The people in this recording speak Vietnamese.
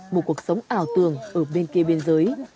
một cuộc sống ảo tường ở bên kia biên giới